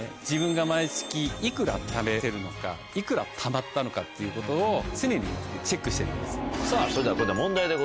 自分が毎月いくら貯めてるのかいくら貯まったのかということを常にチェックしてるんです。